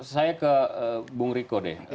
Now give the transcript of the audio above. saya ke bung riko deh